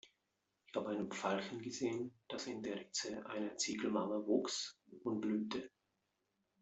Ich hab ein Veilchen gesehen, das in der Ritze einer Ziegelmauer wuchs und blühte.